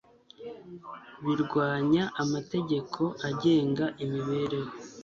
birwanya amategeko agenga imibereho